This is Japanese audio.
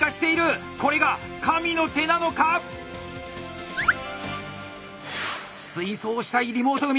これが神の手なのか⁉追走したいリモート組！